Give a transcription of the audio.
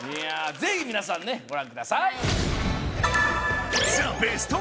ぜひ皆さんねご覧ください